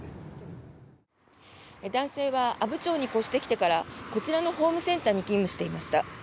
男性は阿武町に越してきてからこちらのホームセンターに勤務していました。